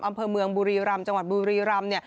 อำเภอเมืองบุรีรำจังหวัดบุรีรำ